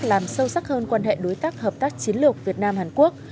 làm sâu sắc hơn quan hệ đối tác hợp tác chiến lược việt nam hàn quốc